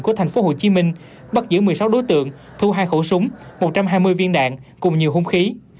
của tp hcm bắt giữ một mươi sáu đối tượng thu hai khẩu súng một trăm hai mươi viên đạn cùng nhiều hung khí